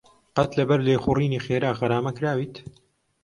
قەت لەبەر لێخوڕینی خێرا غەرامە کراویت؟